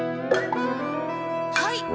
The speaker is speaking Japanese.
はい！